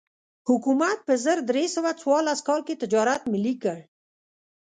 حکومت په زر درې سوه څوارلس کال کې تجارت ملي کړ.